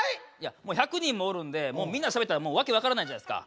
もう１００人もおるんでみんなでしゃべったら訳分からないじゃないですか。